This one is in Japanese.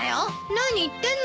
何言ってんのよ。